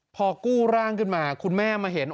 พอกู้ร่างขึ้นมาคุณแม่มาเห็น